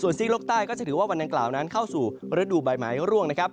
ส่วนซีกลกใต้ก็จะถือว่าวันดังกล่าวเข้าสู่ฤดูบ่ายไม้ร่วงนะครับ